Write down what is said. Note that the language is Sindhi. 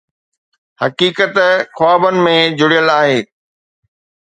حقيقت خوابن ۾ جڙيل آهي